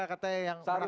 katanya yang menakutkan